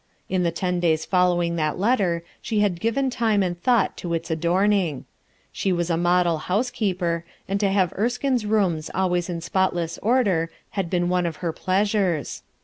In tho ten days following that letter she had given time and thought to its adorning. She was a model housekeeper, and to have Erskinc's rooms always in fpollcsa order had been one of her pleasures.